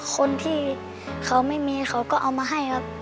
คนที่เขาไม่มีเขาก็เอามาให้ครับ